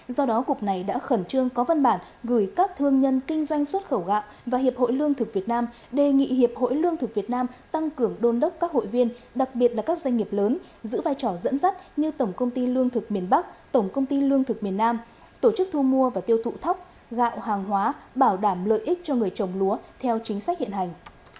do đó cục này đã khẩn trương có văn bản gửi các thương nhân kinh doanh xuất khẩu gạo và hiệp hội lương thực việt nam đề nghị hiệp hội lương thực việt nam tăng cường đôn đốc các hội viên đặc biệt là các doanh nghiệp lớn giữ vai trò dẫn dắt như tổng công ty lương thực miền bắc tổng công ty lương thực miền nam tổ chức thu mua và tiêu thụ thóc gạo hàng hóa bảo đảm lợi ích cho người trồng lúa theo chính sách hiện hành